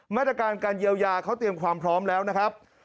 มาตรการการเยียวยาเขาเตรียมความพร้อมแล้วนะครับ